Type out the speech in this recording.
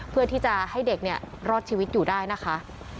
เพื่อที่จะให้เด็กเนี่ยรอดชีวิตอยู่ได้นะคะ